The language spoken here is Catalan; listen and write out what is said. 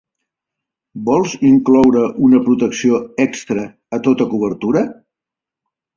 Vols incloure una protecció extra a tota cobertura?